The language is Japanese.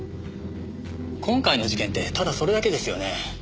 今回の事件ってただそれだけですよね？